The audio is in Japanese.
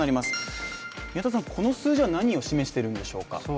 この数字は何を示しているんでしょうか？